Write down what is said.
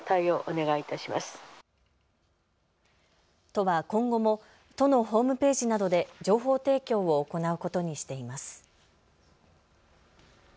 都は今後も都のホームページなどで情報提供を行うことにしています。